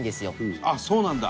伊達：そうなんだ。